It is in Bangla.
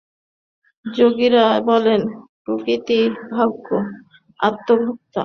যোগীরা বলেন প্রকৃতি ভোগ্য, আত্মা ভোক্তা।